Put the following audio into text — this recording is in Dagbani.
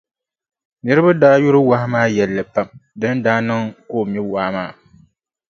Niriba daa yuri wahu maa yɛlli pam di ni daa niŋ ka o mi waa maa.